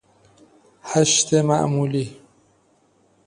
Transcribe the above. هشت معمولی